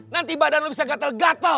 nanti badan lu bisa gatel gatel